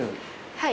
はい。